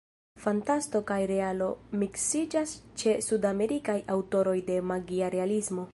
Fantasto kaj realo miksiĝas ĉe Sudamerikaj aŭtoroj de magia realismo.